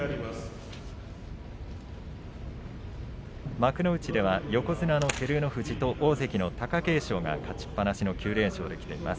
幕内は横綱の照ノ富士と大関の貴景勝が勝ちっぱなしの９連勝で、きています。